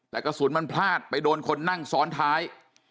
แต่กระสุนมันพลาดไปโดนคนนั่งซ้อนท้าย